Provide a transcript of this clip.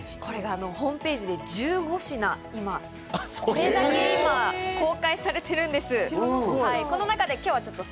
ホームページで１５品、公開されているんです。